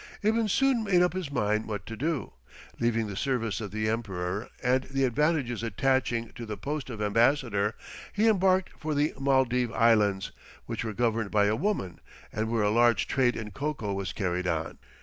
Ibn soon made up his mind what to do. Leaving the service of the emperor, and the advantages attaching to the post of ambassador, he embarked for the Maldive Islands, which were governed by a woman, and where a large trade in cocoa was carried on.